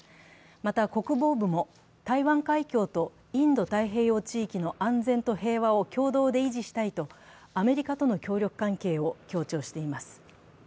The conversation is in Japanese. また国防部も台湾海峡とインド太平洋地域の安全と平和を共同で維持したいとアメリカとの協力関係を強調しています。